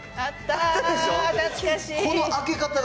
あったでしょ。